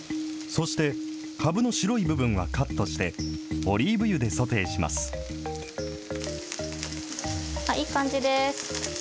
そして、かぶの白い部分はカットして、オリーブ油でソテーしいい感じです。